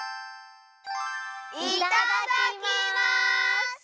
いただきます！